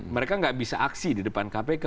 mereka nggak bisa aksi di depan kpk